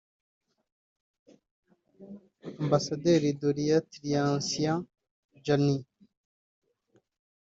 Ambasaderi Dian Triansyah Djani